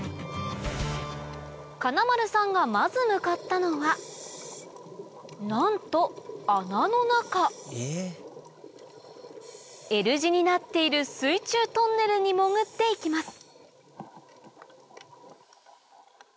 金丸さんがまず向かったのはなんと穴の中Ｌ字になっている水中トンネルに潜って行きます